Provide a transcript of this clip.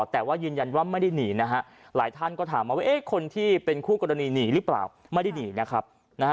แต่ว่ายืนยันว่าไม่ได้หนีนะฮะหลายท่านก็ถามมาว่าคนที่เป็นคู่กรณีหนีหรือเปล่าไม่ได้หนีนะครับ